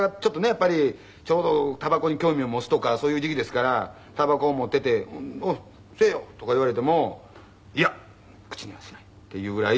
やっぱりちょうどたばこに興味を持つとかそういう時期ですからたばこを持ってて「吸えよ」とか言われても「いや口にはしない」って言うぐらい